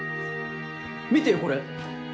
見てよこれ！